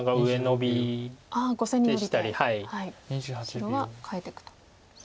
白は変えていくと。